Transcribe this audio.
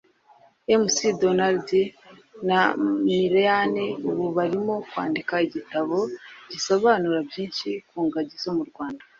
McDonald na Maryanne ubu barimo kwandika igitabo gisobanura byinshi ku ngagi zo mu Rwanda